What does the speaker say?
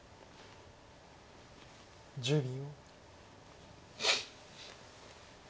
１０秒。